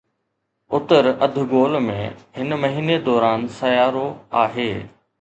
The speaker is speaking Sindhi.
اتر اڌ گول ۾، هن مهيني دوران سيارو آهي